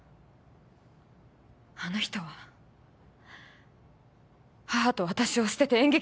あの人は母と私を捨てて演劇を選んだ。